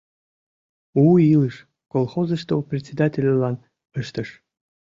«У илыш» колхозышто председательлан ыштыш.